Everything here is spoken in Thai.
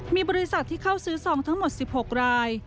มีบริษัทที่เข้าซื้อซองทั้งหมด๑๖ราย